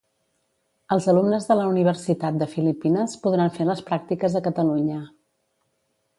Els alumnes de la Universitat de Filipines podran fer les pràctiques a Catalunya.